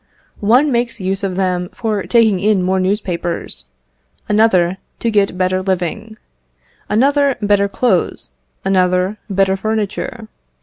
One makes use of them for taking in more newspapers; another, to get better living; another, better clothes; another, better furniture.